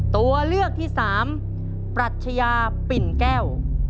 ตัวเลือกที่สามปรัชญาปิ่นแก้ว